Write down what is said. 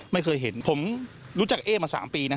ไม่เคยเห็นผมรู้จักเอ๊มา๓ปีนะ